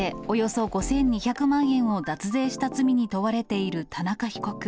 およそ５２００万円を脱税した罪に問われている田中被告。